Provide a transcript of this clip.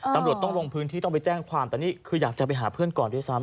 ตำรวจต้องลงพื้นที่ต้องไปแจ้งความแต่นี่คืออยากจะไปหาเพื่อนก่อนด้วยซ้ำ